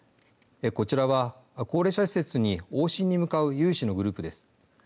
こちらは高齢者施設に往診に向かう有志のグループです。